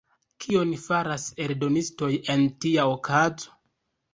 Kion faras eldonistoj en tia okazo?